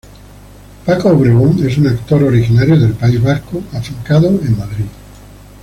Paco Obregón es un actor originario del País Vasco afincado en Madrid.